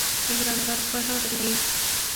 El ganador fue Rodrigo Díaz.